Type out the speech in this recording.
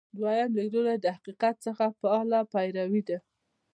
دویم لیدلوری له حقیقت څخه فعاله پیروي ده.